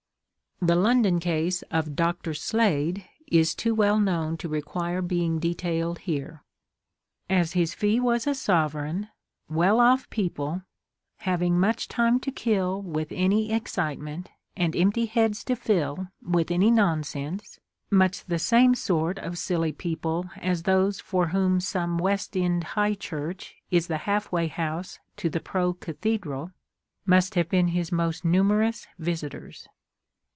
The London case of "Doctor" Slade, is too well known to require being detailed here. As his fee was a sovereign, well off people having much time to kill with any excitement, and empty heads to fill with any nonsense (much the same sort of silly people as those for whom some West end High Church is the half way house to the Pro Cathedral), must have been his most numerous visitors.